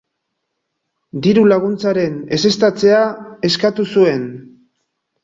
Diru-laguntzaren ezeztatzea eskatu zuen.